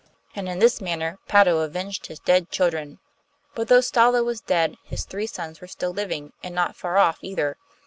And in this manner Patto avenged his dead children. But though Stalo was dead, his three sons were still living, and not very far off either.